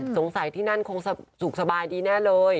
สงสัยที่นั่นคงสุขสบายดีแน่เลย